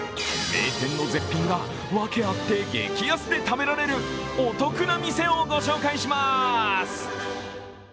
名店の絶品がワケあって激安で食べられるお得な店をご紹介しまーす。